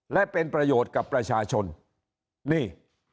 และเป็นประโยชน์กับประชาชนนี่